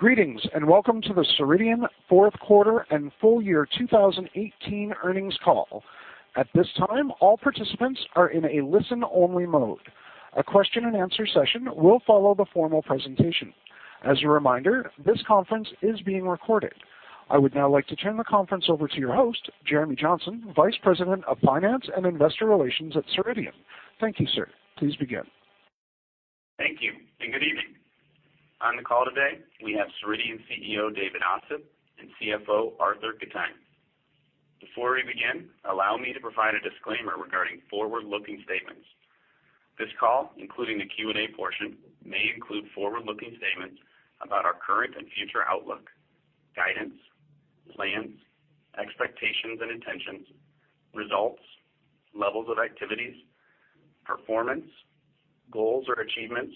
Greetings, and welcome to the Ceridian fourth quarter and full year 2018 earnings call. At this time, all participants are in a listen-only mode. A question and answer session will follow the formal presentation. As a reminder, this conference is being recorded. I would now like to turn the conference over to your host, Jeremy Johnson, Vice President of Finance and Investor Relations at Ceridian. Thank you, sir. Please begin. Thank you, and good evening. On the call today, we have Ceridian CEO, David Ossip, and CFO, Arthur Gitajn. Before we begin, allow me to provide a disclaimer regarding forward-looking statements. This call, including the Q&A portion, may include forward-looking statements about our current and future outlook, guidance, plans, expectations and intentions, results, levels of activities, performance, goals or achievements,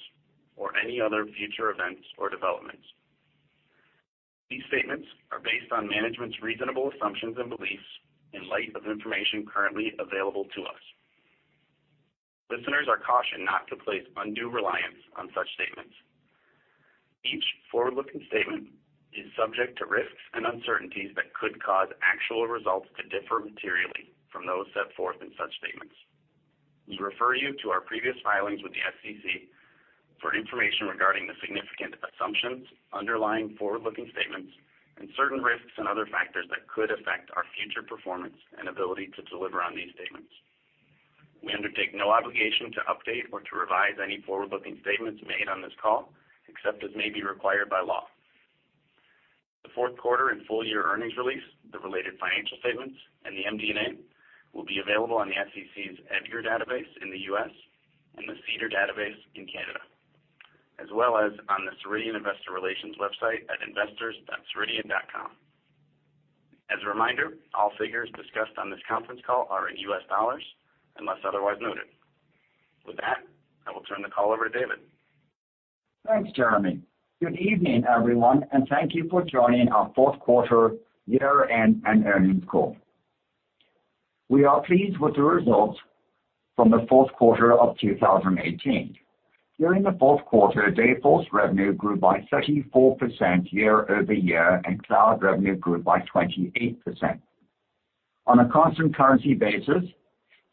or any other future events or developments. These statements are based on management's reasonable assumptions and beliefs in light of information currently available to us. Listeners are cautioned not to place undue reliance on such statements. Each forward-looking statement is subject to risks and uncertainties that could cause actual results to differ materially from those set forth in such statements. We refer you to our previous filings with the SEC for information regarding the significant assumptions underlying forward-looking statements and certain risks and other factors that could affect our future performance and ability to deliver on these statements. We undertake no obligation to update or to revise any forward-looking statements made on this call, except as may be required by law. The fourth quarter and full year earnings release, the related financial statements, and the MD&A will be available on the SEC's EDGAR database in the U.S. and the SEDAR database in Canada, as well as on the Ceridian investor relations website at investors.ceridian.com. As a reminder, all figures discussed on this conference call are in US dollars unless otherwise noted. With that, I will turn the call over to David. Thanks, Jeremy. Good evening, everyone, and thank you for joining our fourth quarter year-end and earnings call. We are pleased with the results from the fourth quarter of 2018. During the fourth quarter, Dayforce revenue grew by 34% year-over-year, and cloud revenue grew by 28%. On a constant currency basis,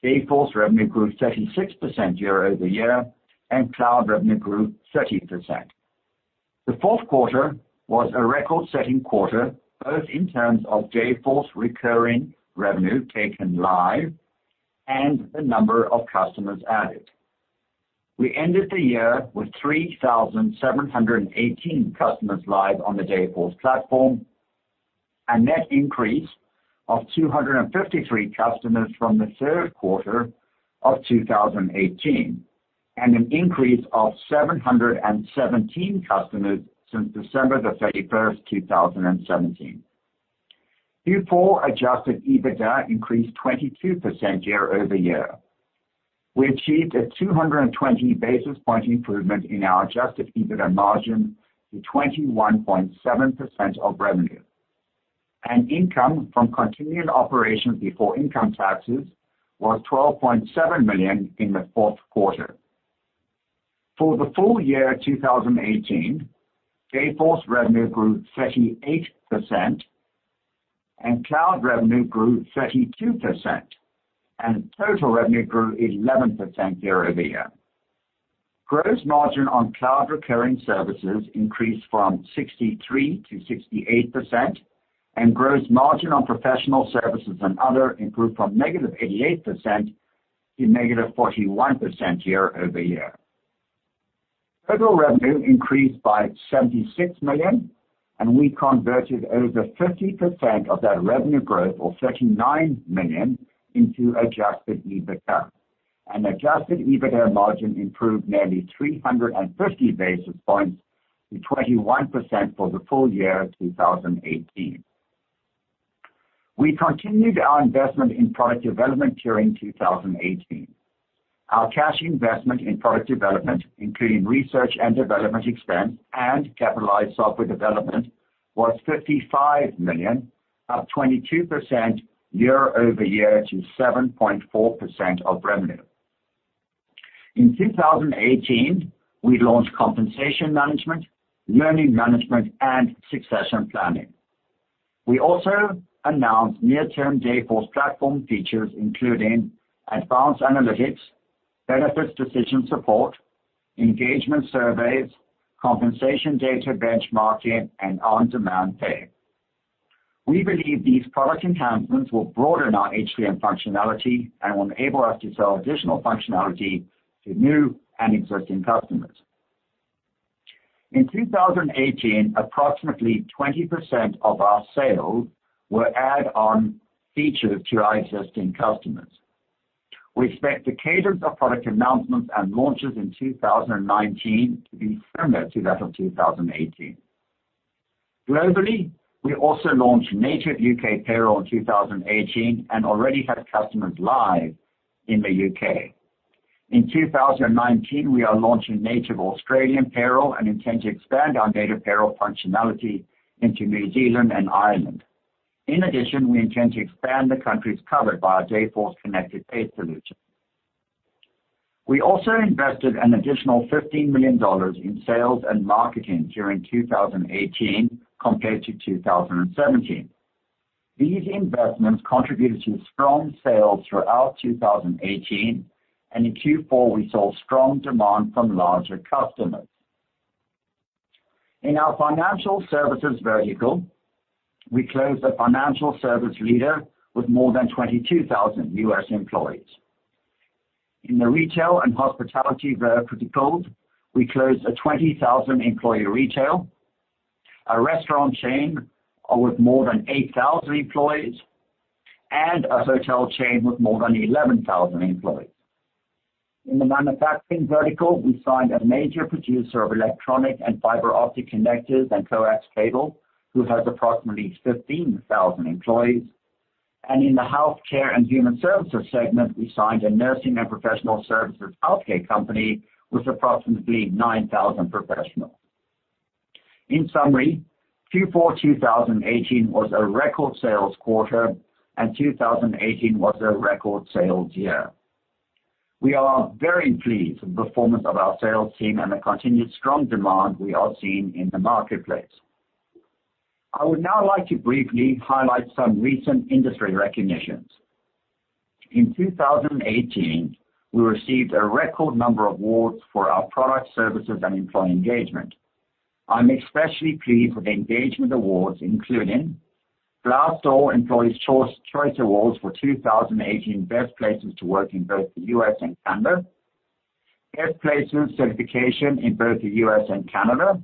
Dayforce revenue grew 36% year-over-year and cloud revenue grew 30%. The fourth quarter was a record-setting quarter, both in terms of Dayforce recurring revenue taken live and the number of customers added. We ended the year with 3,718 customers live on the Dayforce platform, a net increase of 253 customers from the third quarter of 2018, and an increase of 717 customers since December 31st, 2017. Q4 adjusted EBITDA increased 22% year-over-year. We achieved a 220 basis point improvement in our adjusted EBITDA margin to 21.7% of revenue. Income from continuing operations before income taxes was $12.7 million in the fourth quarter. For the full year 2018, Dayforce revenue grew 38%, cloud revenue grew 32%, and total revenue grew 11% year-over-year. Gross margin on cloud recurring services increased from 63%-68%, and gross margin on professional services and other improved from -88% to -41% year-over-year. Total revenue increased by $76 million, and we converted over 50% of that revenue growth of $39 million into adjusted EBITDA. Adjusted EBITDA margin improved nearly 350 basis points to 21% for the full year 2018. We continued our investment in product development during 2018. Our cash investment in product development, including research and development expense and capitalized software development, was $55 million, up 22% year-over-year to 7.4% of revenue. In 2018, we launched compensation management, learning management, and succession planning. We also announced near-term Dayforce platform features, including advanced analytics, benefits decision support, engagement surveys, compensation data benchmarking, and on-demand pay. We believe these product enhancements will broaden our HCM functionality and will enable us to sell additional functionality to new and existing customers. In 2018, approximately 20% of our sales were add-on features to our existing customers. We expect the cadence of product announcements and launches in 2019 to be similar to that of 2018. Globally, we also launched native U.K. payroll in 2018 and already have customers live in the U.K. In 2019, we are launching native Australian payroll and intend to expand our Dayforce Payroll functionality into New Zealand and Ireland. In addition, we intend to expand the countries covered by our Dayforce Connected Pay solution. We also invested an additional $15 million in sales and marketing during 2018 compared to 2017. These investments contributed to strong sales throughout 2018, and in Q4 we saw strong demand from larger customers. In our financial services vertical, we closed a financial service leader with more than 22,000 U.S. employees. In the retail and hospitality verticals, we closed a 20,000-employee retail, a restaurant chain with more than 8,000 employees, and a hotel chain with more than 11,000 employees. In the manufacturing vertical, we signed a major producer of electronic and fiber optic connectors and coax cable who has approximately 15,000 employees. In the healthcare and human services segment, we signed a nursing and professional services healthcare company with approximately 9,000 professionals. In summary, Q4 2018 was a record sales quarter, and 2018 was a record sales year. We are very pleased with the performance of our sales team and the continued strong demand we are seeing in the marketplace. I would now like to briefly highlight some recent industry recognitions. In 2018, we received a record number of awards for our product services and employee engagement. I'm especially pleased with the engagement awards, including Glassdoor Employees' Choice Awards for 2018 Best Places to Work in both the U.S. and Canada, Best Places certification in both the U.S. and Canada,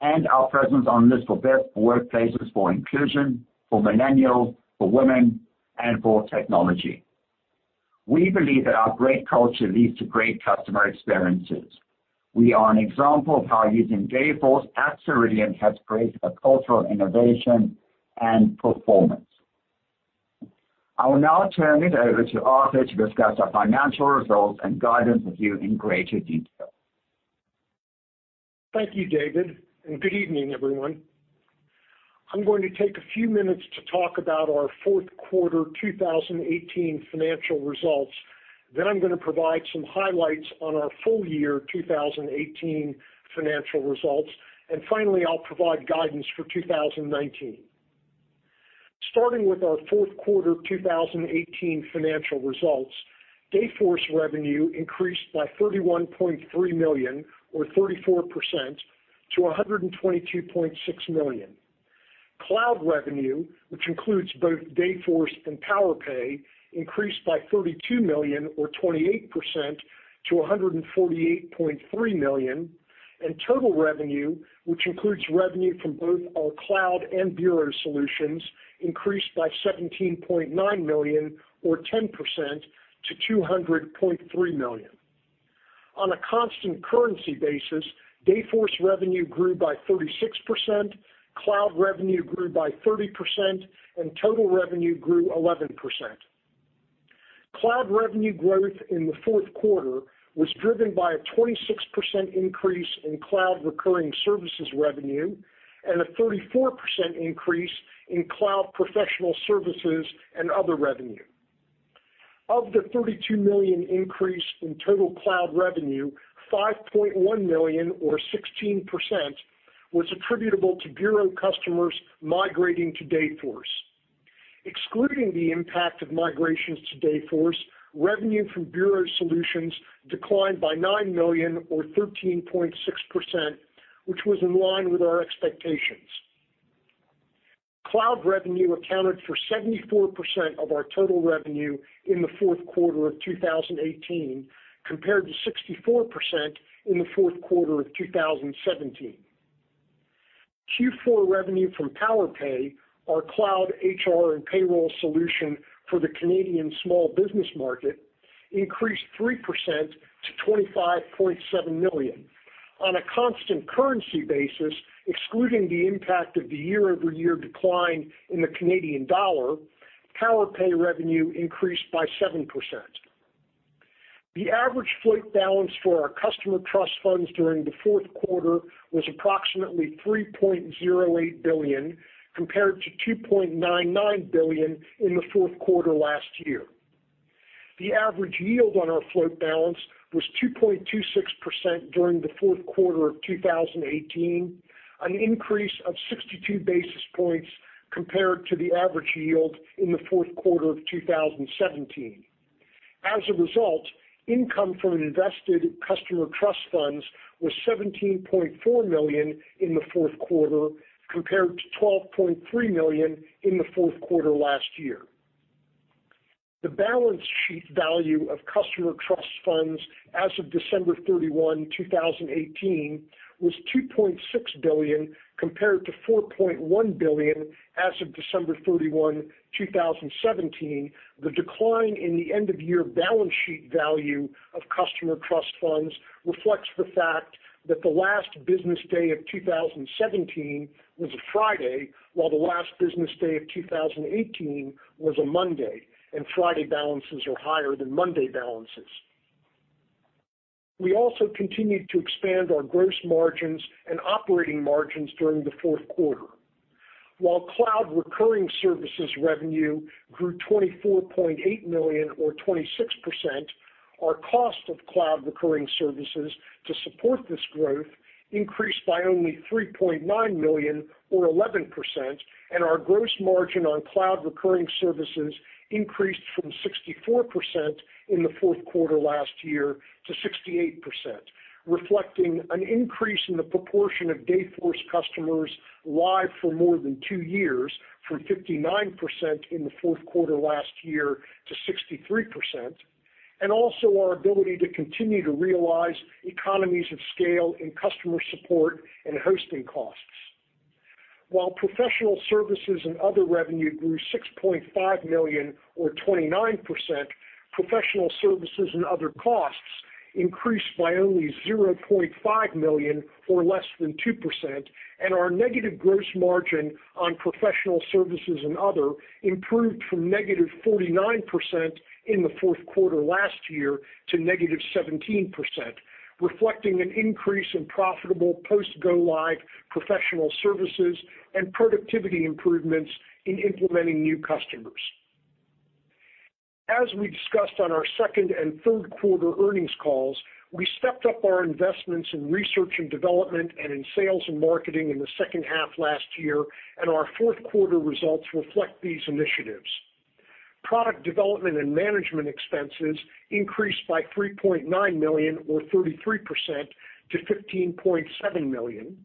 and our presence on the list for Best Workplaces for Inclusion, for Millennials, for Women, and for Technology. We believe that our great culture leads to great customer experiences. We are an example of how using Dayforce at Ceridian has created a culture of innovation and performance. I will now turn it over to Arthur to discuss our financial results and guidance with you in greater detail. Thank you, David, and good evening, everyone. I'm going to take a few minutes to talk about our fourth quarter 2018 financial results. I'm going to provide some highlights on our full year 2018 financial results. Finally, I'll provide guidance for 2019. Starting with our fourth quarter 2018 financial results, Dayforce revenue increased by $31.3 million or 34% to $122.6 million. Cloud revenue, which includes both Dayforce and PowerPay, increased by $32 million or 28% to $148.3 million. Total revenue, which includes revenue from both our cloud and bureau solutions, increased by $17.9 million or 10% to $200.3 million. On a constant currency basis, Dayforce revenue grew by 36%, cloud revenue grew by 30%, and total revenue grew 11%. Cloud revenue growth in the fourth quarter was driven by a 26% increase in cloud recurring services revenue and a 34% increase in cloud professional services and other revenue. Of the $32 million increase in total cloud revenue, $5.1 million or 16% was attributable to bureau customers migrating to Dayforce. Excluding the impact of migrations to Dayforce, revenue from bureau solutions declined by nine million or 13.6%, which was in line with our expectations. Cloud revenue accounted for 74% of our total revenue in the fourth quarter of 2018, compared to 64% in the fourth quarter of 2017. Q4 revenue from PowerPay, our cloud HR and payroll solution for the Canadian small business market, increased 3% to $25.7 million. On a constant currency basis, excluding the impact of the year-over-year decline in the Canadian dollar, PowerPay revenue increased by 7%. The average float balance for our customer trust funds during the fourth quarter was approximately $3.08 billion, compared to $2.99 billion in the fourth quarter last year. The average yield on our float balance was 2.26% during the fourth quarter of 2018, an increase of 62 basis points compared to the average yield in the fourth quarter of 2017. As a result, income from invested customer trust funds was $17.4 million in the fourth quarter, compared to $12.3 million in the fourth quarter last year. The balance sheet value of customer trust funds as of December 31, 2018, was $2.6 billion, compared to $4.1 billion as of December 31, 2017. The decline in the end-of-year balance sheet value of customer trust funds reflects the fact that the last business day of 2017 was a Friday, while the last business day of 2018 was a Monday, and Friday balances are higher than Monday balances. We also continued to expand our gross margins and operating margins during the fourth quarter. While cloud recurring services revenue grew $24.8 million or 26%, our cost of cloud recurring services to support this growth increased by only $3.9 million or 11%, and our gross margin on cloud recurring services increased from 64% in the fourth quarter last year to 68%, reflecting an increase in the proportion of Dayforce customers live for more than two years, from 59% in the fourth quarter last year to 63%, and also our ability to continue to realize economies of scale in customer support and hosting costs. While professional services and other revenue grew $6.5 million or 29%, professional services and other costs increased by only $0.5 million or less than 2%, and our negative gross margin on professional services and other improved from negative 49% in the fourth quarter last year to negative 17%, reflecting an increase in profitable post go live professional services and productivity improvements in implementing new customers. As we discussed on our second and third quarter earnings calls, we stepped up our investments in research and development and in sales and marketing in the second half last year. Our fourth quarter results reflect these initiatives. Product development and management expenses increased by $3.9 million or 33% to $15.7 million.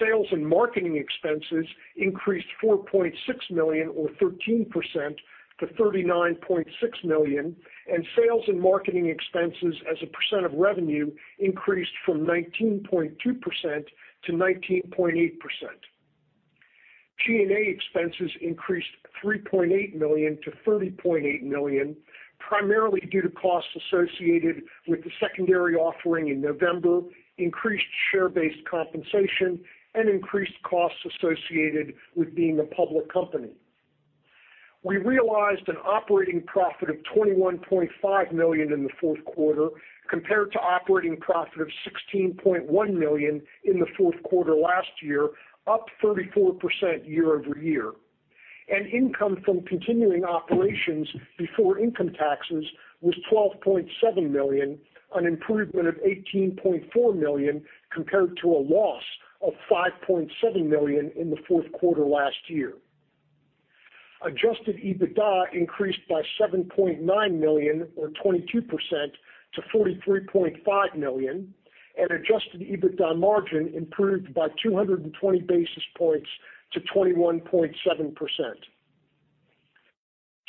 Sales and marketing expenses increased $4.6 million or 13% to $39.6 million, and sales and marketing expenses as a % of revenue increased from 19.2% to 19.8%. G&A expenses increased $3.8 million to $30.8 million, primarily due to costs associated with the secondary offering in November, increased share-based compensation, and increased costs associated with being a public company. We realized an operating profit of $21.5 million in the fourth quarter, compared to operating profit of $16.1 million in the fourth quarter last year, up 34% year-over-year. Income from continuing operations before income taxes was $12.7 million, an improvement of $18.4 million compared to a loss of $5.7 million in the fourth quarter last year. Adjusted EBITDA increased by $7.9 million or 22% to $43.5 million, and Adjusted EBITDA margin improved by 220 basis points to 21.7%.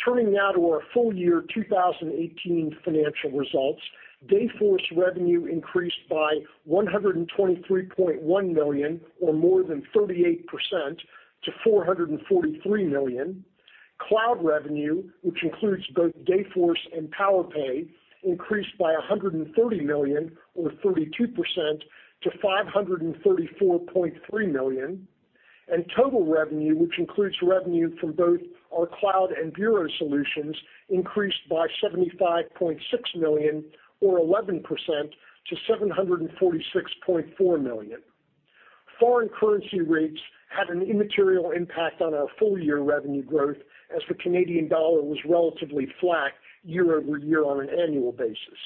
Turning now to our full year 2018 financial results. Dayforce revenue increased by $123.1 million or more than 38% to $443 million. Cloud revenue, which includes both Dayforce and PowerPay, increased by $130 million or 32% to $534.3 million. Total revenue, which includes revenue from both our cloud and bureau solutions, increased by $75.6 million or 11% to $746.4 million. Foreign currency rates had an immaterial impact on our full-year revenue growth, as the Canadian dollar was relatively flat year-over-year on an annual basis.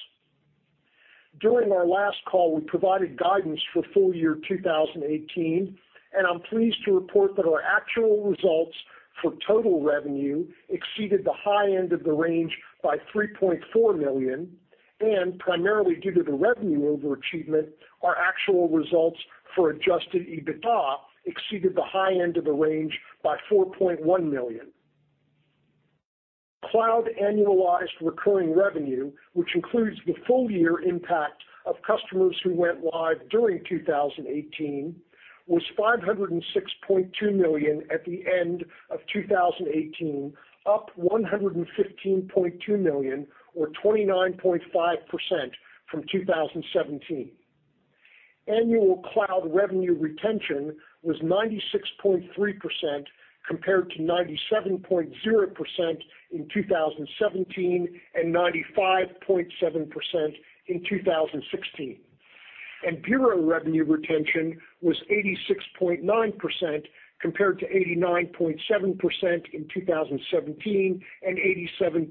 During our last call, we provided guidance for full year 2018, and I'm pleased to report that our actual results for total revenue exceeded the high end of the range by $3.4 million. Primarily due to the revenue overachievement, our actual results for Adjusted EBITDA exceeded the high end of the range by $4.1 million. Cloud annualized recurring revenue, which includes the full year impact of customers who went live during 2018, was $506.2 million at the end of 2018, up $115.2 million or 29.5% from 2017. Annual cloud revenue retention was 96.3% compared to 97.0% in 2017 and 95.7% in 2016. Bureau revenue retention was 86.9% compared to 89.7% in 2017 and 87.4%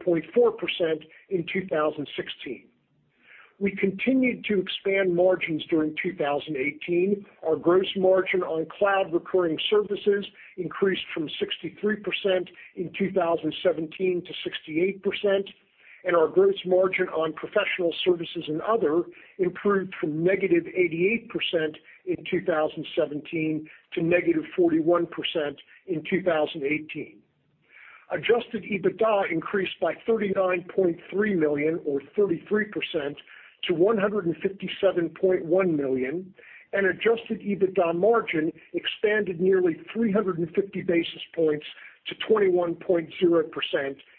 in 2016. We continued to expand margins during 2018. Our gross margin on cloud recurring services increased from 63% in 2017 to 68%, and our gross margin on professional services and other improved from negative 88% in 2017 to negative 41% in 2018. Adjusted EBITDA increased by $39.3 million or 33% to $157.1 million, and adjusted EBITDA margin expanded nearly 350 basis points to 21.0%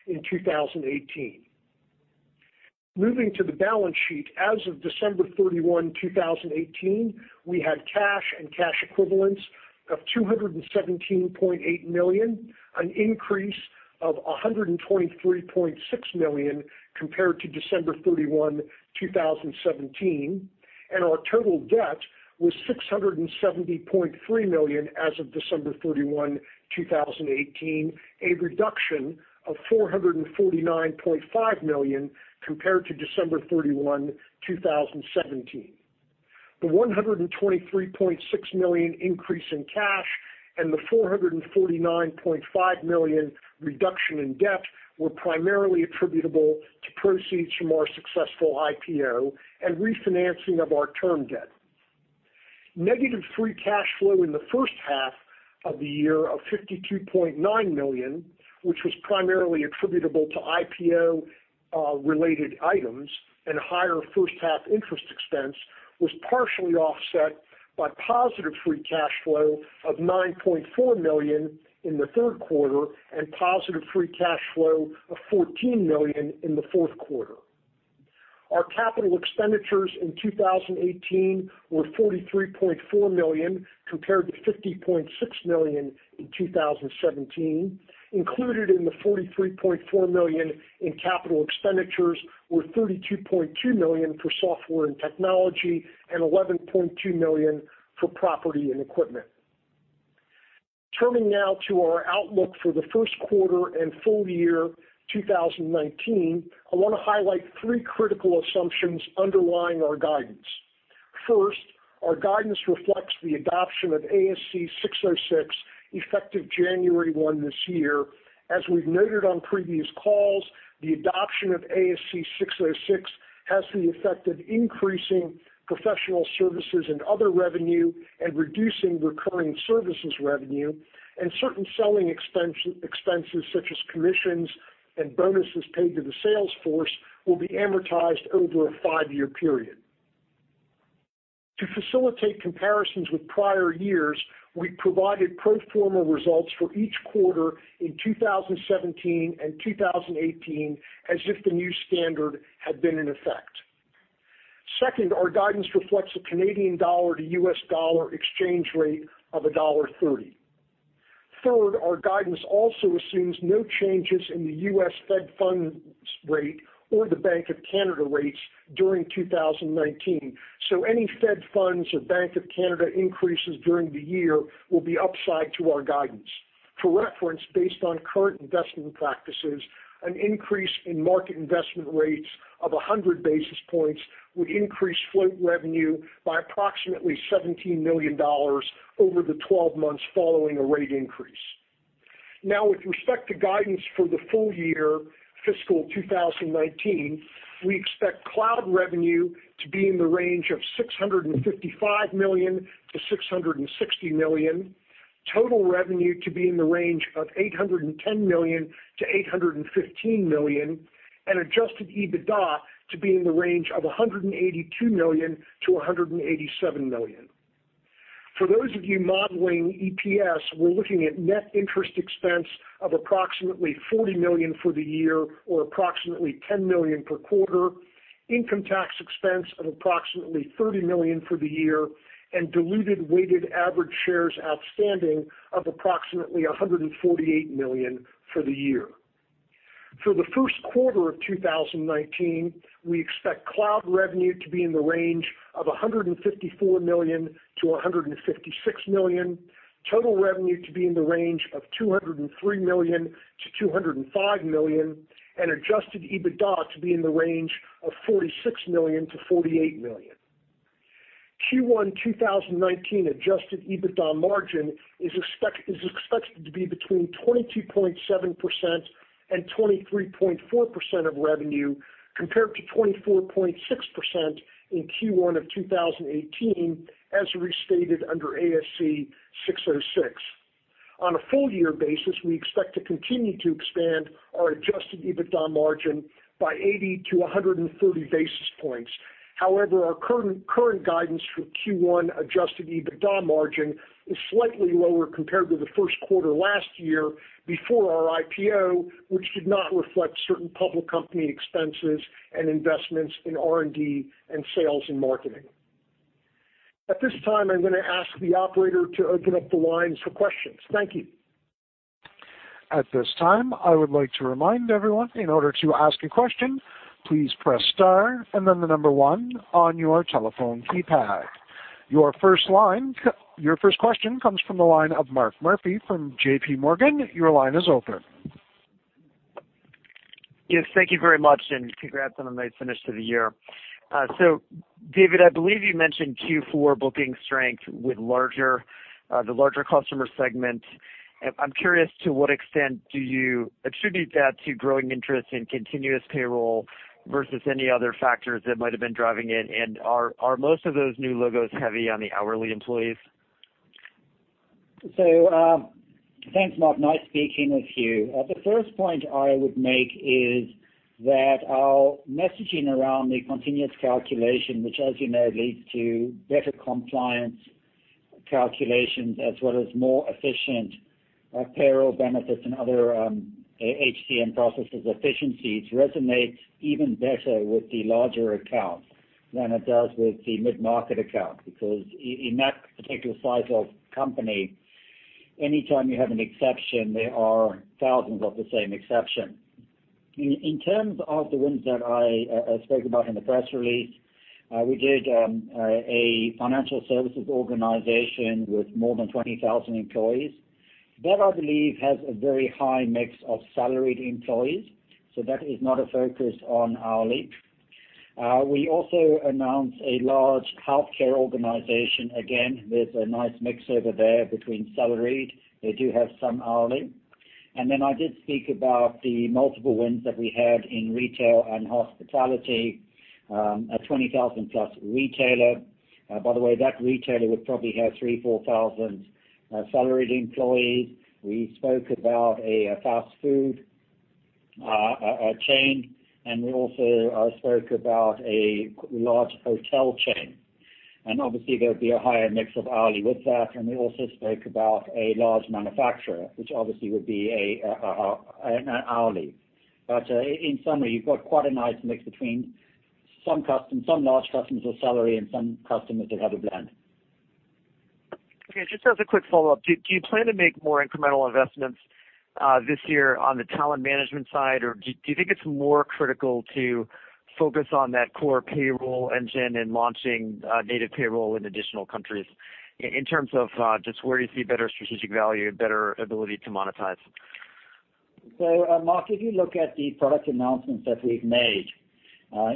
in 2018. Moving to the balance sheet, as of December 31, 2018, we had cash and cash equivalents of $217.8 million, an increase of $123.6 million compared to December 31, 2017. Our total debt was $670.3 million as of December 31, 2018, a reduction of $449.5 million compared to December 31, 2017. The $123.6 million increase in cash and the $449.5 million reduction in debt were primarily attributable to proceeds from our successful IPO and refinancing of our term debt. Negative free cash flow in the first half of the year of $52.9 million, which was primarily attributable to IPO-related items and higher first-half interest expense, was partially offset by positive free cash flow of $9.4 million in the third quarter and positive free cash flow of $14 million in the fourth quarter. Our capital expenditures in 2018 were $43.4 million, compared to $50.6 million in 2017. Included in the $43.4 million in capital expenditures were $32.2 million for software and technology and $11.2 million for property and equipment. Turning now to our outlook for the first quarter and full year 2019, I want to highlight three critical assumptions underlying our guidance. First, our guidance reflects the adoption of ASC 606, effective January 1 this year. As we've noted on previous calls, the adoption of ASC 606 has the effect of increasing professional services and other revenue and reducing recurring services revenue, and certain selling expenses such as commissions and bonuses paid to the sales force will be amortized over a five-year period. To facilitate comparisons with prior years, we provided pro forma results for each quarter in 2017 and 2018 as if the new standard had been in effect. Second, our guidance reflects a Canadian dollar to US dollar exchange rate of $1.30. Third, our guidance also assumes no changes in the US Fed funds rate or the Bank of Canada rates during 2019. Any Fed funds or Bank of Canada increases during the year will be upside to our guidance. For reference, based on current investment practices, an increase in market investment rates of 100 basis points would increase float revenue by approximately $17 million over the 12 months following a rate increase. With respect to guidance for the full year fiscal 2019, we expect cloud revenue to be in the range of $655 million-$660 million, total revenue to be in the range of $810 million-$815 million, and adjusted EBITDA to be in the range of $182 million-$187 million. For those of you modeling EPS, we're looking at net interest expense of approximately $40 million for the year or approximately $10 million per quarter, income tax expense of approximately $30 million for the year, and diluted weighted average shares outstanding of approximately 148 million for the year. For the first quarter of 2019, we expect cloud revenue to be in the range of $154 million-$156 million, total revenue to be in the range of $203 million-$205 million, and adjusted EBITDA to be in the range of $46 million-$48 million. Q1 2019 adjusted EBITDA margin is expected to be between 22.7%-23.4% of revenue, compared to 24.6% in Q1 of 2018, as restated under ASC 606. On a full-year basis, we expect to continue to expand our adjusted EBITDA margin by 80 to 130 basis points. Our current guidance for Q1 adjusted EBITDA margin is slightly lower compared to the first quarter last year before our IPO, which did not reflect certain public company expenses and investments in R&D and sales and marketing. At this time, I'm going to ask the operator to open up the lines for questions. Thank you. At this time, I would like to remind everyone, in order to ask a question, please press star and then the number one on your telephone keypad. Your first question comes from the line of Mark Murphy from JPMorgan. Your line is open. Yes. Thank you very much, and congrats on a nice finish to the year. David, I believe you mentioned Q4 booking strength with the larger customer segment. I'm curious to what extent do you attribute that to growing interest in continuous payroll versus any other factors that might have been driving it, and are most of those new logos heavy on the hourly employees? Thanks, Mark. Nice speaking with you. The first point I would make is that our messaging around the continuous calculation, which as you know, leads to better compliance calculations as well as more efficient payroll benefits and other HCM processes efficiencies, resonates even better with the larger accounts than it does with the mid-market accounts. Because in that particular size of company, anytime you have an exception, there are thousands of the same exception. In terms of the wins that I spoke about in the press release, we did a financial services organization with more than 20,000 employees. That, I believe, has a very high mix of salaried employees, so that is not a focus on hourly. We also announced a large healthcare organization. Again, there's a nice mix over there between salaried, they do have some hourly. I did speak about the multiple wins that we had in retail and hospitality, a 20,000-plus retailer. By the way, that retailer would probably have 3,000, 4,000 salaried employees. We spoke about a fast food chain, and we also spoke about a large hotel chain. Obviously, there would be a higher mix of hourly with that. We also spoke about a large manufacturer, which obviously would be hourly. In summary, you've got quite a nice mix between some large customers with salary and some customers that have a blend. Okay. Just as a quick follow-up, do you plan to make more incremental investments this year on the talent management side? Or do you think it's more critical to focus on that core payroll engine in launching native payroll in additional countries, in terms of just where do you see better strategic value, better ability to monetize? Mark, if you look at the product announcements that we've made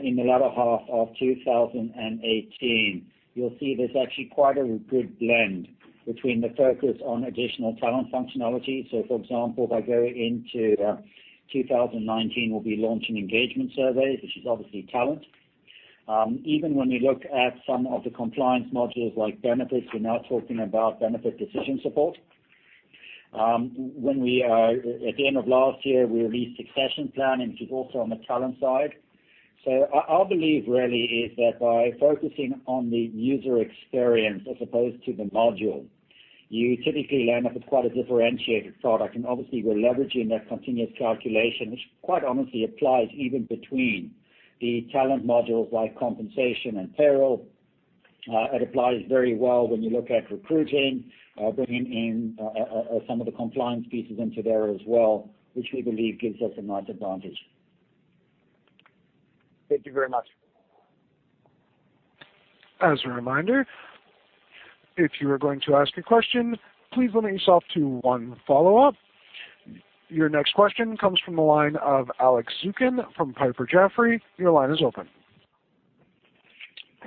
in the latter half of 2018, you'll see there's actually quite a good blend between the focus on additional talent functionality. For example, if I go into 2019, we'll be launching engagement surveys, which is obviously talent. Even when we look at some of the compliance modules like benefits, we're now talking about benefit decision support. At the end of last year, we released succession planning, which is also on the talent side. Our belief really is that by focusing on the user experience as opposed to the module, you typically end up with quite a differentiated product. Obviously, we're leveraging that continuous calculation, which quite honestly applies even between the talent modules like compensation and payroll. It applies very well when you look at recruiting, bringing in some of the compliance pieces into there as well, which we believe gives us a nice advantage. Thank you very much. As a reminder, if you are going to ask a question, please limit yourself to one follow-up. Your next question comes from the line of Alex Zukin from Piper Jaffray. Your line is open.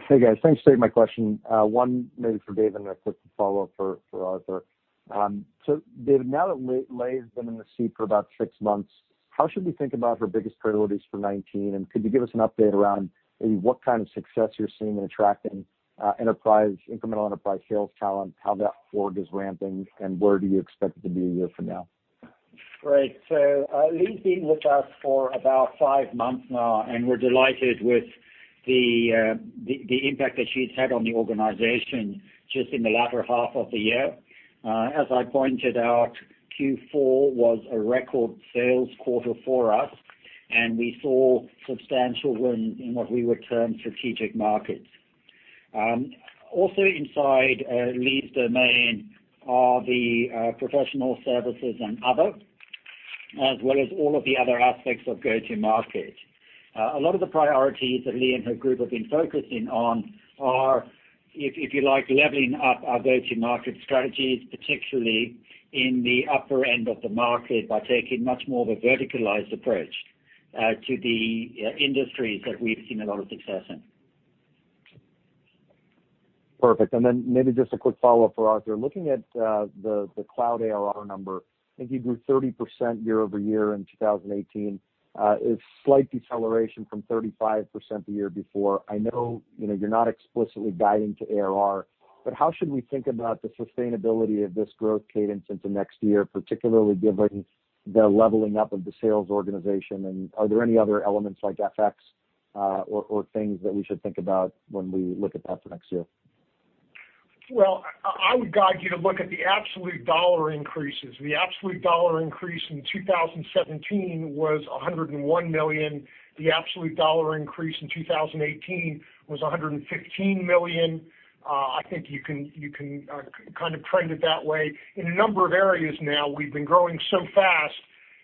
Hey, guys. Thanks. Save my question. One maybe for David, and a quick follow-up for Arthur. David, now that Leagh has been in the seat for about six months, how should we think about her biggest priorities for 2019? Could you give us an update around maybe what kind of success you are seeing in attracting incremental enterprise sales talent, how that cohort is ramping, and where do you expect it to be a year from now? Great. Leagh has been with us for about five months now, we are delighted with the impact that she has had on the organization just in the latter half of the year. As I pointed out, Q4 was a record sales quarter for us, we saw substantial wins in what we would term strategic markets. Also inside Leagh's domain are the professional services and other, as well as all of the other aspects of go-to-market. A lot of the priorities that Leagh and her group have been focusing on are, if you like, leveling up our go-to-market strategies, particularly in the upper end of the market, by taking much more of a verticalized approach to the industries that we have seen a lot of success in. Perfect. Maybe just a quick follow-up for Arthur. Looking at the cloud ARR number, I think you grew 30% year-over-year in 2018. A slight deceleration from 35% the year before. I know you are not explicitly guiding to ARR, how should we think about the sustainability of this growth cadence into next year, particularly given the leveling up of the sales organization? Are there any other elements like FX or things that we should think about when we look at that for next year? Well, I would guide you to look at the absolute dollar increases. The absolute dollar increase in 2017 was $101 million. The absolute dollar increase in 2018 was $115 million. I think you can kind of trend it that way. In a number of areas now, we have been growing so fast,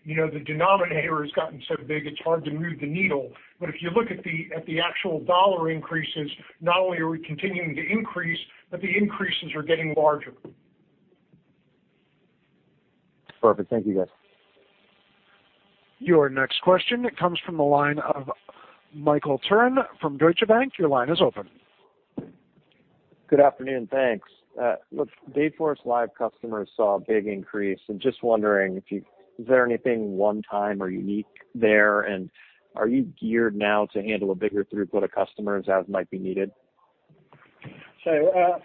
the denominator has gotten so big, it is hard to move the needle. If you look at the actual dollar increases, not only are we continuing to increase, but the increases are getting larger. Perfect. Thank you, guys. Your next question comes from the line of Michael Turrin from Deutsche Bank. Your line is open. Good afternoon. Thanks. Look, Dayforce Live customers saw a big increase. I'm just wondering, is there anything one time or unique there? Are you geared now to handle a bigger throughput of customers as might be needed?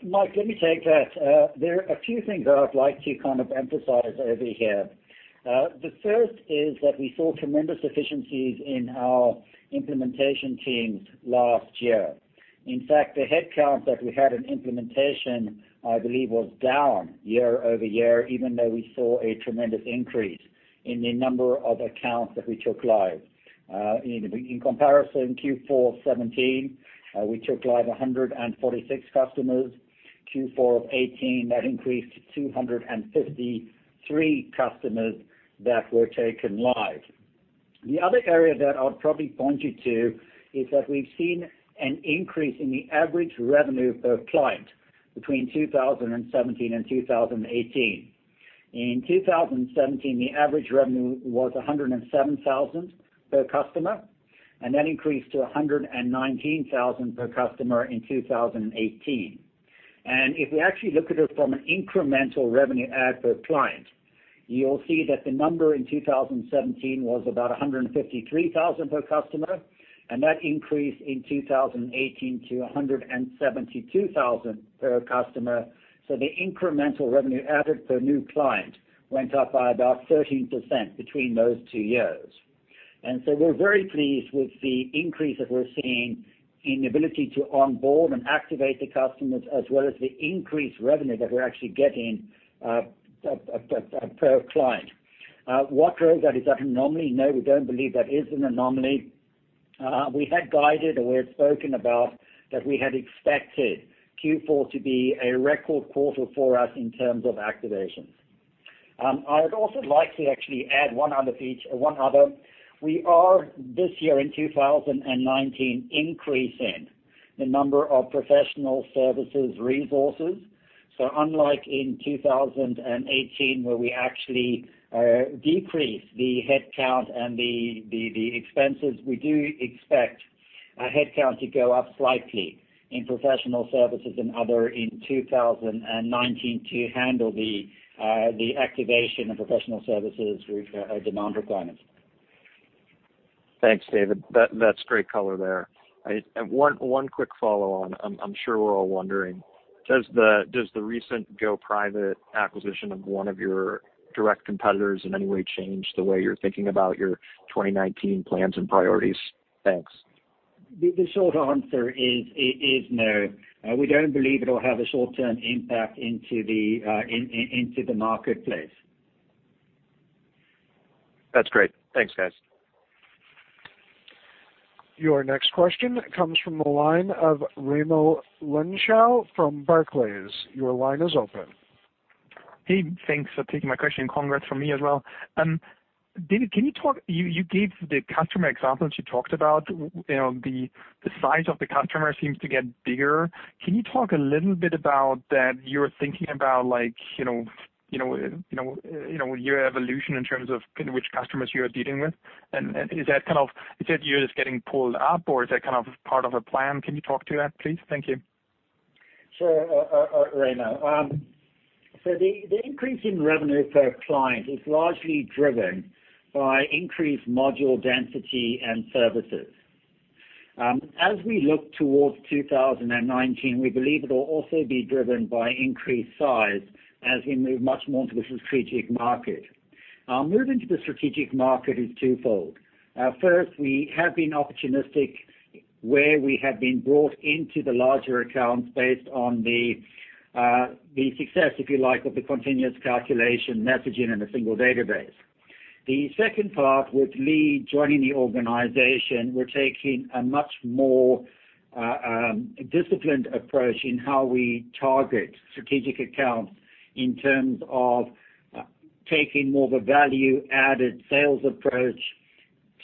Mike, let me take that. There are a few things that I'd like to kind of emphasize over here. The first is that we saw tremendous efficiencies in our implementation teams last year. In fact, the headcount that we had in implementation, I believe, was down year-over-year, even though we saw a tremendous increase in the number of accounts that we took live. In comparison, Q4 '17, we took live 146 customers. Q4 of '18, that increased to 253 customers that were taken live. The other area that I'll probably point you to is that we've seen an increase in the average revenue per client between 2017 and 2018. In 2017, the average revenue was $107,000 per customer, that increased to $119,000 per customer in 2018. If we actually look at it from an incremental revenue add per client, you'll see that the number in 2017 was about $153,000 per customer, and that increased in 2018 to $172,000 per customer. The incremental revenue added per new client went up by about 13% between those two years. We're very pleased with the increase that we're seeing in the ability to onboard and activate the customers, as well as the increased revenue that we're actually getting per client. What role? That is not an anomaly. No, we don't believe that is an anomaly. We had guided, and we had spoken about that we had expected Q4 to be a record quarter for us in terms of activations. I would also like to actually add one other. We are, this year in 2019, increasing the number of professional services resources. Unlike in 2018, where we actually decreased the headcount and the expenses, we do expect our headcount to go up slightly in professional services and other in 2019 to handle the activation of professional services, the demand requirements. Thanks, David. That's great color there. One quick follow-on. I'm sure we're all wondering, does the recent go-private acquisition of one of your direct competitors in any way change the way you're thinking about your 2019 plans and priorities? Thanks. The short answer is no. We don't believe it'll have a short-term impact into the marketplace. That's great. Thanks, guys. Your next question comes from the line of Raimo Lenschow from Barclays. Your line is open. Hey, thanks for taking my question. Congrats from me as well. David, you gave the customer examples. You talked about the size of the customer seems to get bigger. Can you talk a little bit about that you're thinking about your evolution in terms of which customers you are dealing with? Is that you're just getting pulled up, or is that part of a plan? Can you talk to that, please? Thank you. Sure, Raimo. The increase in revenue per client is largely driven by increased module density and services. As we look towards 2019, we believe it will also be driven by increased size as we move much more into the strategic market. Moving to the strategic market is twofold. First, we have been opportunistic where we have been brought into the larger accounts based on the success, if you like, of the continuous calculation messaging in a single database. The second part, with Leagh joining the organization, we're taking a much more disciplined approach in how we target strategic accounts in terms of taking more of a value-added sales approach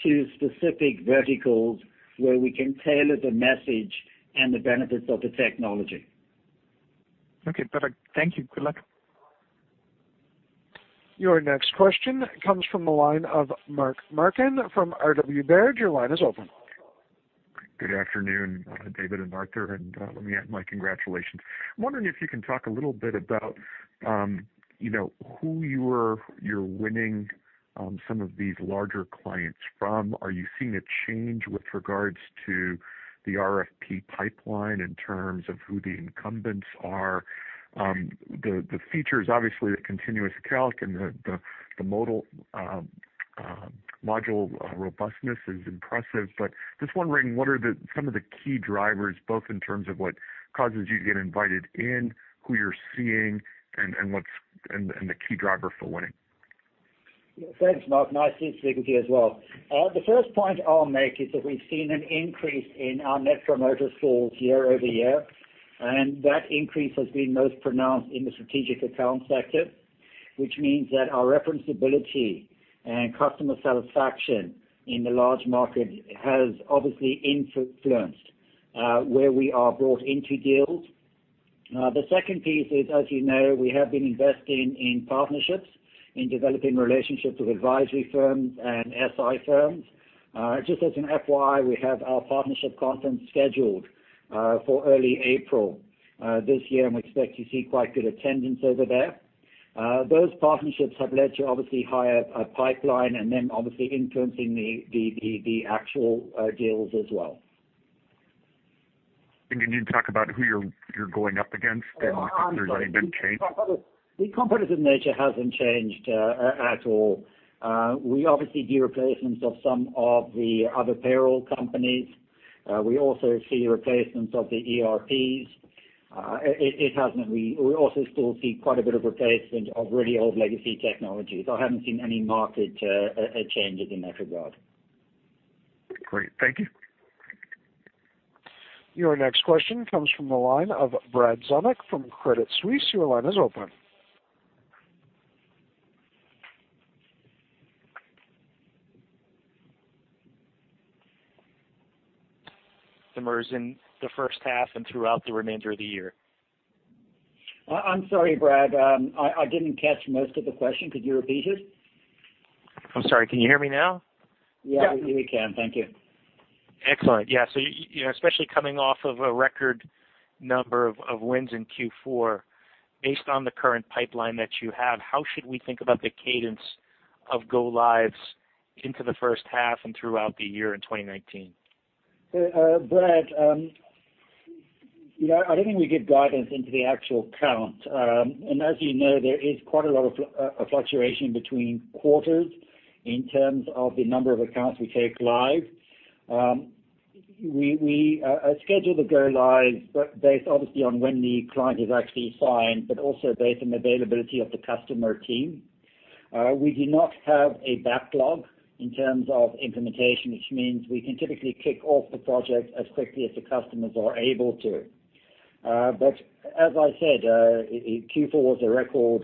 to specific verticals where we can tailor the message and the benefits of the technology. Okay. Perfect. Thank you. Good luck. Your next question comes from the line of Mark Marcon from RW Baird. Your line is open. Good afternoon, David and Arthur, and let me add my congratulations. I'm wondering if you can talk a little bit about who you're winning some of these larger clients from. Are you seeing a change with regards to the RFP pipeline in terms of who the incumbents are? The features, obviously, the continuous calc and the module robustness is impressive. Just wondering, what are some of the key drivers, both in terms of what causes you to get invited in, who you're seeing, and the key driver for winning? Thanks, Mark. Nice to speak with you as well. The first point I'll make is that we've seen an increase in our Net Promoter Score year-over-year, and that increase has been most pronounced in the strategic account sector, which means that our reference-ability and customer satisfaction in the large market has obviously influenced where we are brought into deals. The second piece is, as you know, we have been investing in partnerships, in developing relationships with advisory firms and SI firms. Just as an FYI, we have our partnership conference scheduled for early April this year, and we expect to see quite good attendance over there. Those partnerships have led to obviously higher pipeline and then obviously influencing the actual deals as well. Can you talk about who you're going up against and if there's any been change? The competitive nature hasn't changed at all. We obviously do replacements of some of the other payroll companies. We also see replacements of the ERPs. We also still see quite a bit of replacement of really old legacy technologies. I haven't seen any market changes in that regard. Great. Thank you. Your next question comes from the line of Brad Reback from Credit Suisse. Your line is open. The margins in the first half and throughout the remainder of the year. I'm sorry, Brad. I didn't catch most of the question. Could you repeat it? I'm sorry. Can you hear me now? Yeah, we can. Thank you. Excellent. Yeah. Especially coming off of a record number of wins in Q4, based on the current pipeline that you have, how should we think about the cadence of go lives into the first half and throughout the year in 2019? Brad, I don't think we give guidance into the actual count. As you know, there is quite a lot of fluctuation between quarters in terms of the number of accounts we take live. We schedule the go lives based obviously on when the client is actually signed, but also based on availability of the customer team. We do not have a backlog in terms of implementation, which means we can typically kick off the project as quickly as the customers are able to. As I said, Q4 was a record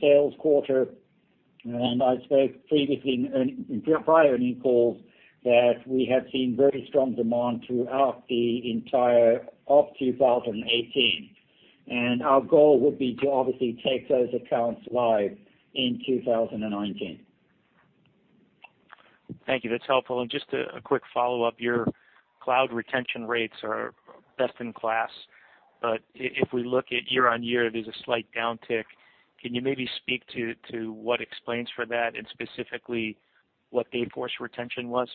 sales quarter, and I spoke previously in prior earnings calls that we have seen very strong demand throughout the entire of 2018. Our goal would be to obviously take those accounts live in 2019. Thank you. That's helpful. Just a quick follow-up. Your cloud retention rates are best in class. If we look at year-over-year, there's a slight downtick. Can you maybe speak to what explains for that and specifically what Dayforce retention was?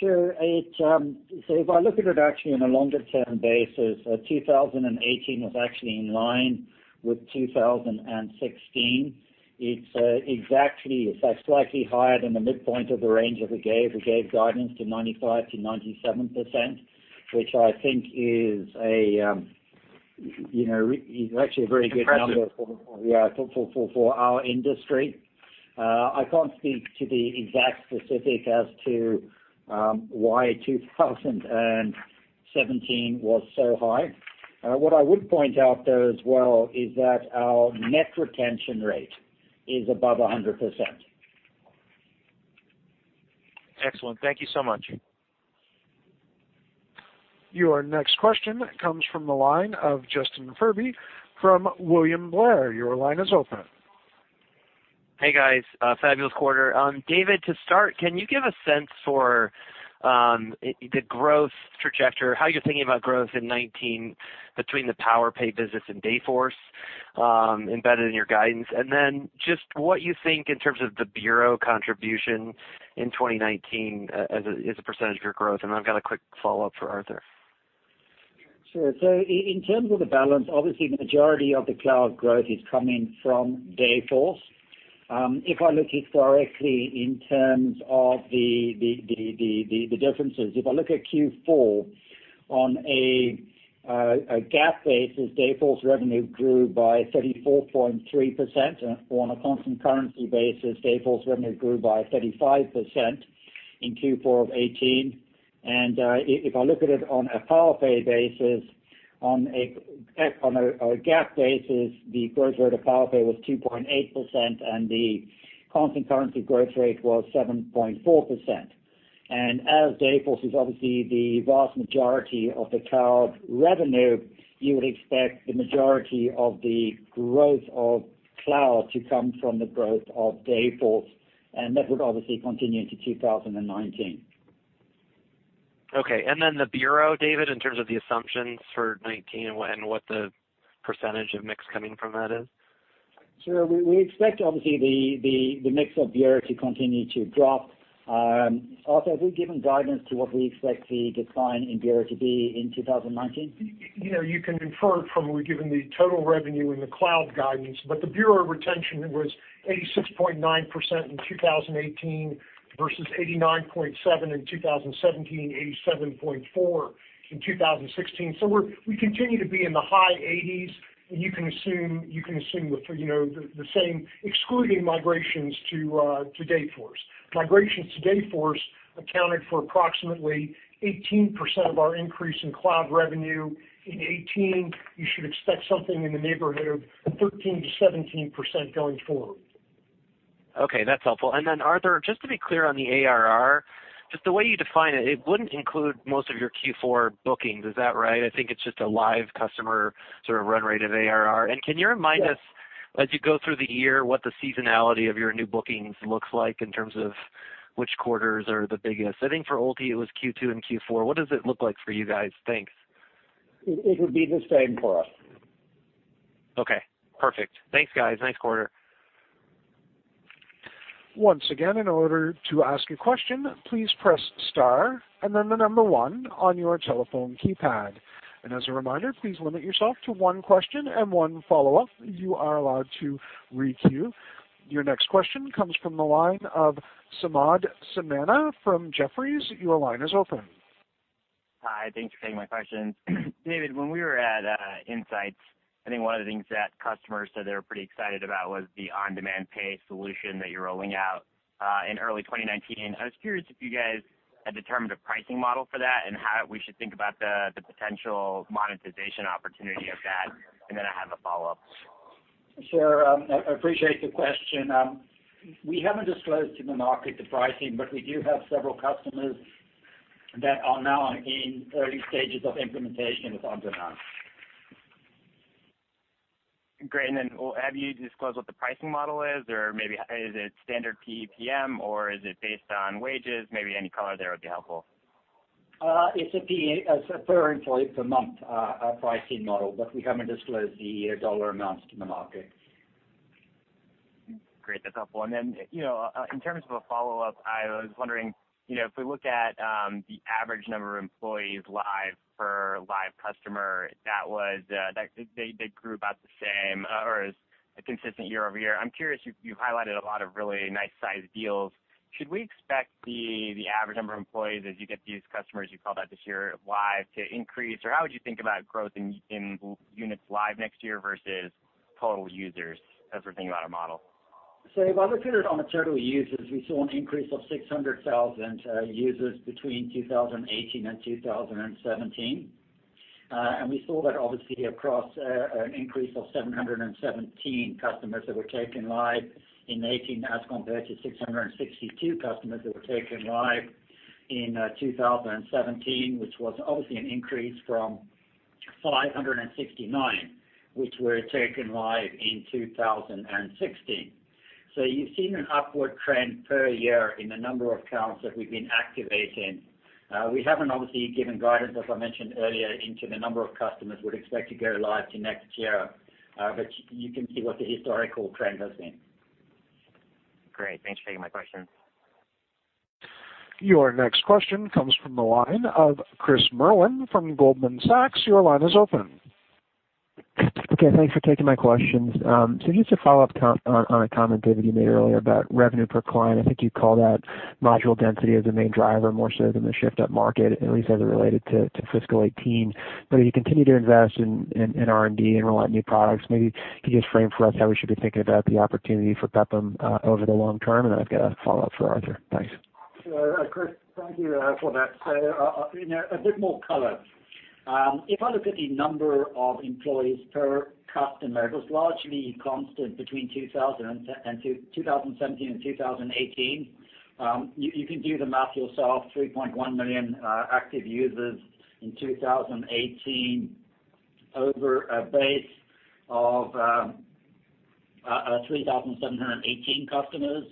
Sure. If I look at it actually on a longer term basis, 2018 was actually in line with 2016. It's exactly, if not slightly higher than the midpoint of the range of we gave. We gave guidance to 95%-97%, which I think is actually a very good number. Impressive for our industry. I can't speak to the exact specific as to why 2017 was so high. What I would point out, though, as well, is that our net retention rate is above 100%. Excellent. Thank you so much. Your next question comes from the line of Justin Furby from William Blair. Your line is open. Hey, guys. Fabulous quarter. David, to start, can you give a sense for the growth trajectory, how you're thinking about growth in 2019 between the PowerPay business and Dayforce embedded in your guidance? Just what you think in terms of the bureau contribution in 2019 as a percentage of your growth. I've got a quick follow-up for Arthur. Sure. In terms of the balance, obviously the majority of the cloud growth is coming from Dayforce. If I look historically in terms of the differences, if I look at Q4 on a GAAP basis, Dayforce revenue grew by 34.3%, and on a constant currency basis, Dayforce revenue grew by 35% in Q4 of 2018. If I look at it on a PowerPay basis, on a GAAP basis, the growth rate of PowerPay was 2.8%, and the constant currency growth rate was 7.4%. As Dayforce is obviously the vast majority of the cloud revenue, you would expect the majority of the growth of cloud to come from the growth of Dayforce, and that would obviously continue into 2019. Okay. Then the bureau, David, in terms of the assumptions for 2019 and what the % of mix coming from that is? Sure. We expect obviously the mix of bureau to continue to drop. Arthur, have we given guidance to what we expect the decline in bureau to be in 2019? You can infer from we've given the total revenue and the cloud guidance. The bureau retention was 86.9% in 2018 versus 89.7% in 2017, 87.4% in 2016. We continue to be in the high 80s, and you can assume the same, excluding migrations to Dayforce. Migrations to Dayforce accounted for approximately 18% of our increase in cloud revenue in 2018. You should expect something in the neighborhood of 13%-17% going forward. Okay, that's helpful. Then Arthur, just to be clear on the ARR, just the way you define it wouldn't include most of your Q4 bookings. Is that right? I think it's just a live customer run rate of ARR. Can you remind us? Yes As you go through the year, what the seasonality of your new bookings looks like in terms of which quarters are the biggest? I think for Ulti it was Q2 and Q4. What does it look like for you guys? Thanks. It would be the same for us. Okay, perfect. Thanks, guys. Nice quarter. Once again, in order to ask a question, please press star and then the number one on your telephone keypad. As a reminder, please limit yourself to one question and one follow-up. You are allowed to re-queue. Your next question comes from the line of Samad Samana from Jefferies. Your line is open Hi. Thanks for taking my questions. David, when we were at Insights, I think one of the things that customers said they were pretty excited about was the on-demand pay solution that you're rolling out in early 2019. I was curious if you guys had determined a pricing model for that, and how we should think about the potential monetization opportunity of that. Then I have a follow-up. Sure. I appreciate the question. We haven't disclosed to the market the pricing, but we do have several customers that are now in early stages of implementation with on-demand. Great. Then, have you disclosed what the pricing model is? Maybe is it standard PEPM, or is it based on wages? Maybe any color there would be helpful. It's a per employee per month pricing model, but we haven't disclosed the dollar amounts to the market. Great. That's helpful. In terms of a follow-up, I was wondering, if we look at the average number of employees live per live customer, they grew about the same or is consistent year-over-year. I'm curious, you've highlighted a lot of really nice-sized deals. Should we expect the average number of employees as you get these customers, you called out this year, live to increase? Or how would you think about growth in units live next year versus total users, as we're thinking about a model? If I look at it on the total users, we saw an increase of 600,000 users between 2018 and 2017. We saw that obviously across an increase of 717 customers that were taken live in 2018, as compared to 662 customers that were taken live in 2017, which was obviously an increase from 569, which were taken live in 2016. You've seen an upward trend per year in the number of accounts that we've been activating. We haven't obviously given guidance, as I mentioned earlier, into the number of customers we'd expect to go live to next year. You can see what the historical trend has been. Great. Thanks for taking my question. Your next question comes from the line of Chris Merlin from Goldman Sachs. Your line is open. Okay. Thanks for taking my questions. Just a follow-up on a comment, David, you made earlier about revenue per client. I think you called out module density as the main driver, more so than the shift upmarket, at least as it related to fiscal 2018. You continue to invest in R&D and roll out new products. Maybe can you just frame for us how we should be thinking about the opportunity for PEPPM over the long term? Then I've got a follow-up for Arthur. Thanks. Sure. Chris, thank you for that. A bit more color. If I look at the number of employees per customer, it was largely constant between 2017 and 2018. You can do the math yourself, 3.1 million active users in 2018 over a base of 3,718 customers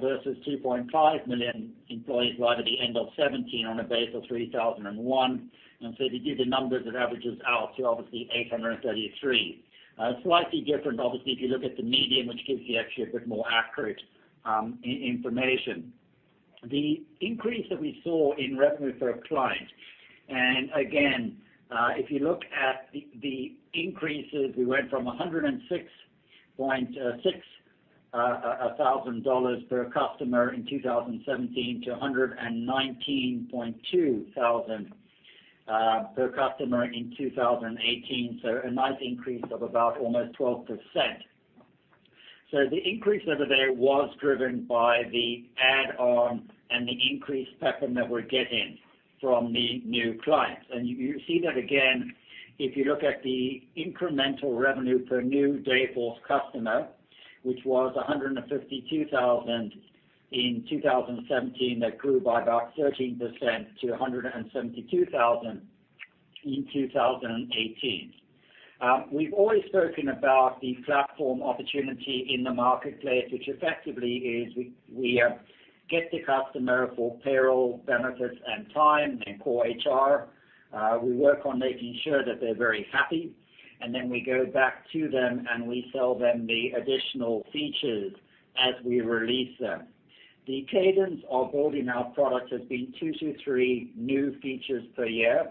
versus 2.5 million employees live at the end of 2017 on a base of 3,001. If you do the numbers, it averages out to obviously 833. Slightly different, obviously, if you look at the median, which gives you actually a bit more accurate information. The increase that we saw in revenue per client, and again, if you look at the increases, we went from $106,600 per customer in 2017 to $119,200 per customer in 2018, a nice increase of about almost 12%. The increase over there was driven by the add-on and the increased PEPPM that we're getting from the new clients. You see that again if you look at the incremental revenue per new Dayforce customer, which was $152,000 in 2017, that grew by about 13% to $172,000 in 2018. We've always spoken about the platform opportunity in the marketplace, which effectively is we get the customer for payroll, benefits, and time and core HR. We work on making sure that they're very happy, then we go back to them and we sell them the additional features as we release them. The cadence of building our product has been two to three new features per year.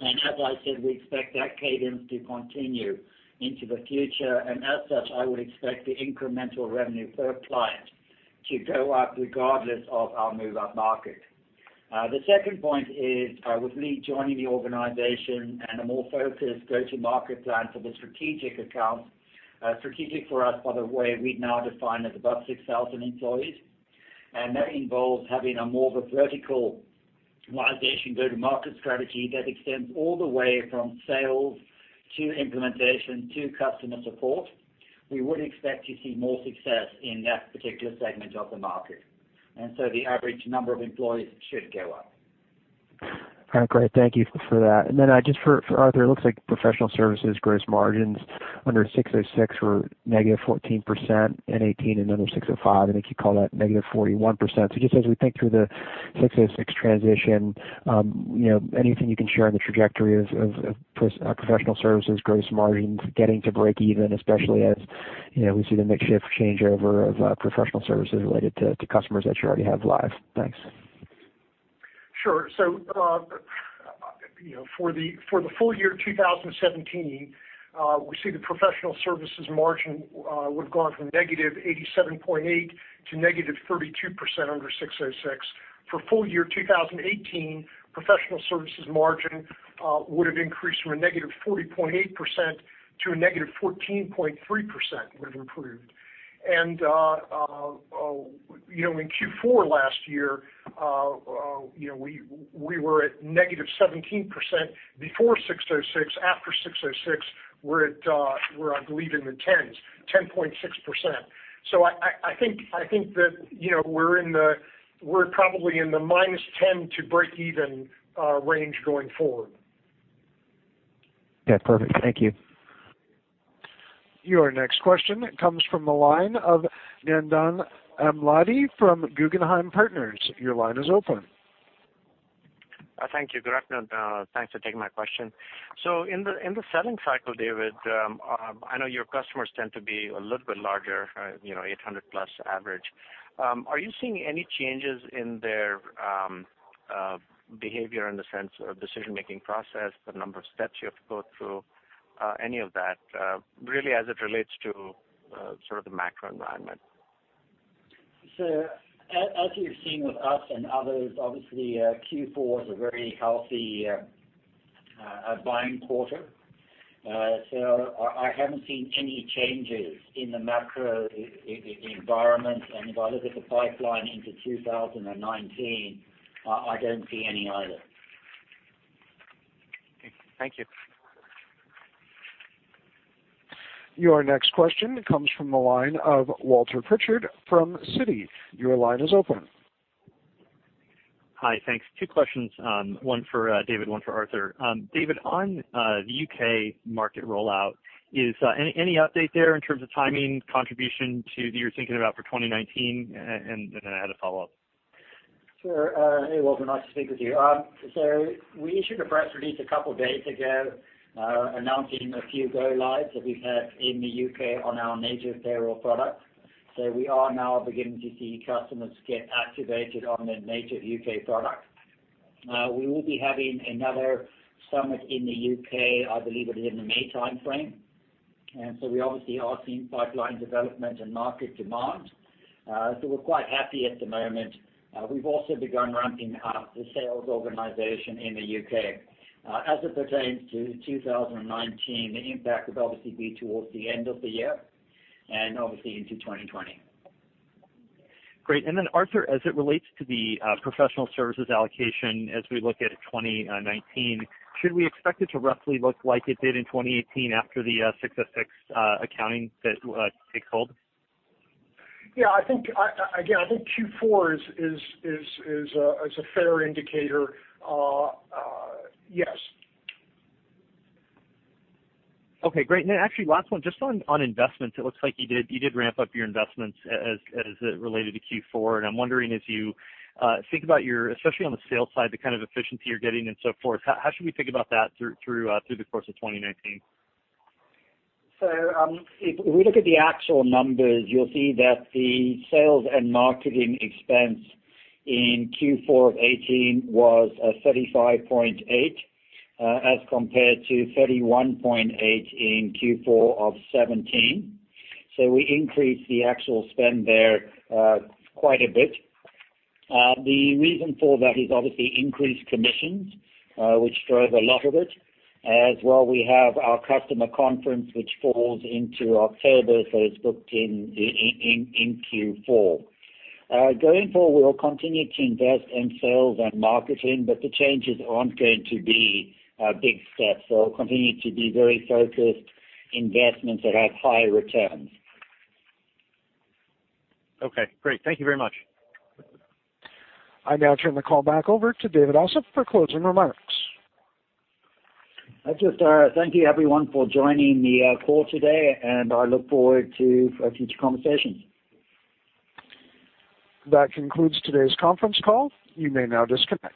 As I said, we expect that cadence to continue into the future. As such, I would expect the incremental revenue per client to go up regardless of our move-up market. The second point is with Leagh joining the organization and a more focused go-to-market plan for the strategic accounts. Strategic for us, by the way, we now define as above 6,000 employees. That involves having more of a verticalization go-to-market strategy that extends all the way from sales to implementation to customer support. We would expect to see more success in that particular segment of the market, the average number of employees should go up. All right, great. Thank you for that. Just for Arthur, it looks like professional services gross margins under ASC 606 were negative 14% in 2018 and under ASC 605, I think you call that negative 41%. Just as we think through the ASC 606 transition, anything you can share on the trajectory of professional services gross margins getting to breakeven, especially as we see the makeshift changeover of professional services related to customers that you already have live? Thanks. Sure. For the full year 2017, we see the professional services margin would've gone from negative 87.8% to negative 32% under ASC 606. For full year 2018, professional services margin would've increased from negative 40.8% to negative 14.3%. In Q4 last year, we were at negative 17% before ASC 606. After ASC 606, we're at, I believe, in the tens, -10.6%. I think that we're probably in the -10% to breakeven range going forward. Yeah. Perfect. Thank you. Your next question comes from the line of Nandan Amladi from Guggenheim Partners. Your line is open. Thank you. Good afternoon. Thanks for taking my question. In the selling cycle, David, I know your customers tend to be a little bit larger, 800+ average. Are you seeing any changes in their behavior in the sense of decision-making process, the number of steps you have to go through, any of that, really as it relates to the macro environment? As you've seen with us and others, obviously, Q4 is a very healthy buying quarter. I haven't seen any changes in the macro environment. If I look at the pipeline into 2019, I don't see any either. Okay. Thank you. Your next question comes from the line of Walter Pritchard from Citi. Your line is open. Hi. Thanks. Two questions, one for David, one for Arthur. David, on the U.K. market rollout, any update there in terms of timing, contribution that you're thinking about for 2019? Then I had a follow-up. Sure. Hey, Walter, nice to speak with you. We issued a press release a couple of days ago announcing a few go lives that we've had in the U.K. on our native payroll product. We are now beginning to see customers get activated on the native U.K. product. We will be having another summit in the U.K., I believe it is in the May timeframe. We obviously are seeing pipeline development and market demand. We're quite happy at the moment. We've also begun ramping up the sales organization in the U.K. As it pertains to 2019, the impact would obviously be towards the end of the year and obviously into 2020. Great. Arthur Gitajn, as it relates to the professional services allocation as we look at 2019, should we expect it to roughly look like it did in 2018 after the ASC 606 accounting that takes hold? Yeah. Again, I think Q4 is a fair indicator. Yes. Okay. Great. Actually, last one, just on investments, it looks like you did ramp up your investments as it related to Q4, and I'm wondering as you think about your, especially on the sales side, the kind of efficiency you're getting and so forth, how should we think about that through the course of 2019? If we look at the actual numbers, you'll see that the sales and marketing expense in Q4 of 2018 was 35.8 as compared to 31.8 in Q4 of 2017. We increased the actual spend there quite a bit. The reason for that is obviously increased commissions, which drove a lot of it. As well, we have our customer conference, which falls into October, so it's booked in Q4. Going forward, we'll continue to invest in sales and marketing, but the changes aren't going to be big steps. We'll continue to do very focused investments that have high returns. Okay, great. Thank you very much. I now turn the call back over to David Ossip for closing remarks. I just thank you everyone for joining the call today, and I look forward to our future conversations. That concludes today's conference call. You may now disconnect.